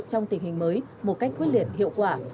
trong tình hình mới một cách quyết liệt hiệu quả